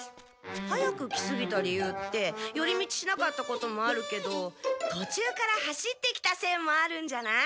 早く来すぎた理由ってより道しなかったこともあるけどとちゅうから走ってきたせいもあるんじゃない？